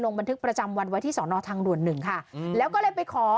นอกทางด่วนหนึ่งค่ะแล้วก็เลยไปขอ